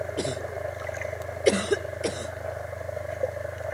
Nedělejme to podruhé.